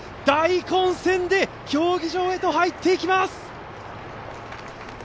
大混戦で競技場へと入っていきます！